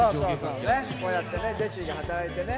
こうやってね、ジェシーが働いてね。